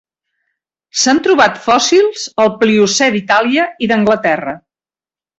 S'han trobat fòssils al Pliocè d'Itàlia i d'Anglaterra.